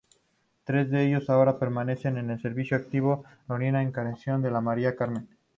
Tres de ellos ahora permanecen en servicio activo: Lolita, Encarnación y María del Carmen.